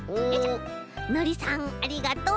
のりさんありがとう。